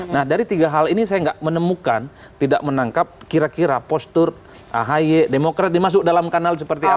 nah dari tiga hal ini saya tidak menemukan tidak menangkap kira kira postur ahi demokrat dimasuk dalam kanal seperti apa